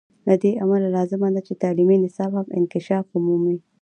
له دې امله لازمه ده چې تعلیمي نصاب هم انکشاف ومومي.